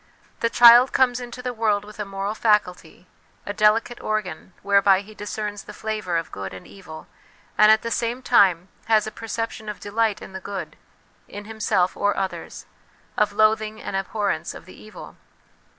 The child comes into the world with a moral faculty, a delicate organ whereby he discerns the flavour of good and evil, and at the same time has a perception of delight in the good in himself or others, of loathing and abhorrence of the evil.